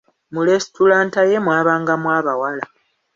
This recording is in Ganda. Mu lesitulanta ye mwabangamu abawala.